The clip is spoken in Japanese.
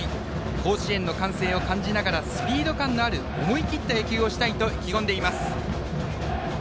甲子園の歓声を感じながらスピード感のある思い切った野球をしたいと意気込んでいます。